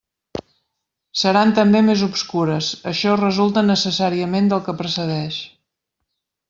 Seran també més obscures; això resulta necessàriament del que precedeix.